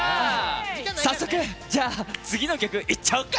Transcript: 早速、次の曲いっちゃおうか！